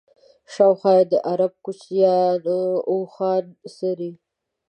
شاوخوا یې د عرب کوچیانو اوښان څري.